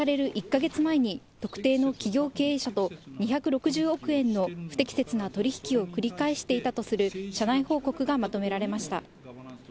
１か月前に、特定の企業経営者と２６０億円の不適切な取り引きを繰り返していたとする、社内報告がまとめられました。